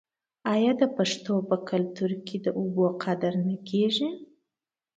آیا د پښتنو په کلتور کې د اوبو قدر نه کیږي؟